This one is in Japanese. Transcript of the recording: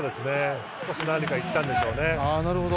何か言ったんでしょうね。